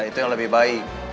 itu yang lebih baik